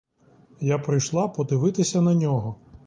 Я прийшла подивитися на нього.